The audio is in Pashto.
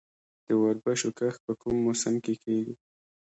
د وربشو کښت په کوم موسم کې کیږي؟